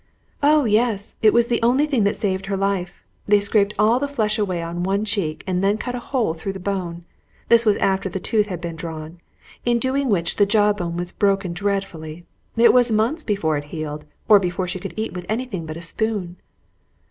"Oh, yes. It was the only thing that saved her life. They scraped all the flesh away on one cheek and then cut a hole through the bone. This was after the tooth had been drawn, in doing which the jaw bone was broken dreadfully. It was months before it healed, or before she could eat with any thing but a spoon."